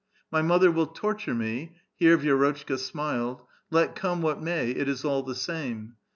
My mother will torture me " (here Vi^rotchka smiled) *' let come what may, it is all the same.